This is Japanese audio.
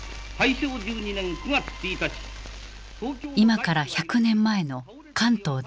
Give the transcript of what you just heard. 今から１００年前の関東大震災。